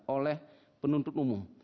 oleh penuntut umum